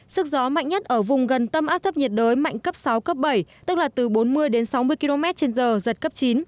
sức gió mạnh nhất ở vùng gần tâm áp thấp nhiệt đới mạnh cấp sáu cấp bảy tức là từ bốn mươi đến sáu mươi km trên giờ giật cấp chín